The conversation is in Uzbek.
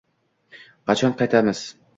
Qachon qaytamiz?